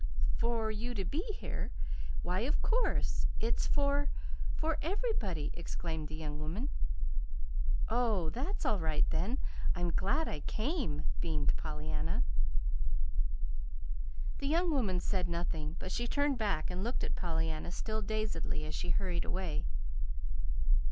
"For you to be here? Why, of course. It's for for everybody!" exclaimed the young woman. "Oh, that's all right, then. I'm glad I came," beamed Pollyanna. The young woman said nothing; but she turned back and looked at Pollyanna still dazedly as she hurried away.